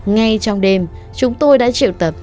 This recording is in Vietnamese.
ngay trong đêm chúng tôi đã triệu tập